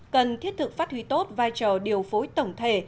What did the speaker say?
cần thiết thực phát huy tốt vai trò điều phối tổng thể